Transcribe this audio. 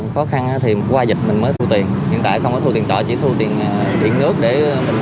khó khăn thì qua dịch mình mới thu tiền hiện tại không có thu tiền tệ chỉ thu tiền điện nước để mình